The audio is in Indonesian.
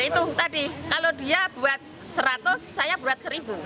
itu tadi kalau dia buat seratus saya buat seribu